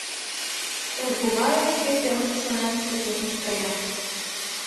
Эргуваев, шке семынже шонен, почешышт кая.